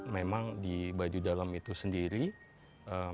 memang di baduy dalam itu sendiri mereka